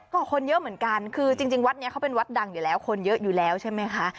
ก็คนเยอะเหมือนกันคือจริงวัดนี้เขาเป็นวัดดังอยู่แล้วคนเยอะอยู่แล้วใช่ไหมคะ